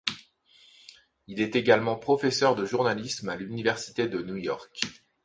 Il est également professeur de journalisme à l'Université de New York.